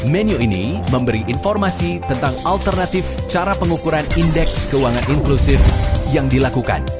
menu ini memberi informasi tentang alternatif cara pengukuran indeks keuangan inklusif yang dilakukan